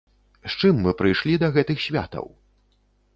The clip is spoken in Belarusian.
З чым мы прыйшлі да гэтых святаў?